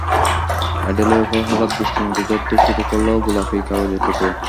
অ্যাডেলের ওপর হঠাৎ বৃষ্টির মতো ঝরতে শুরু করল গোলাপি কাগজের টুকরো।